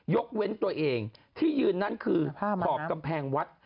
ยกเว้นตัวเองที่ยืนนั้นคือขอบกำแพงวัด